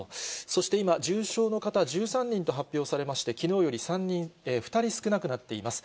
そして今、重症の方１３人と発表されまして、きのうより２人少なくなっています。